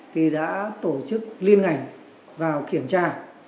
thì đã tổ chức liên ngành vào kiểm tra